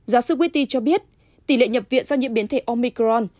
giáo sư wity cho biết tỷ lệ nhập viện do nhiễm biến thể omicron